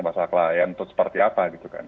pasal klient untuk seperti apa gitu kan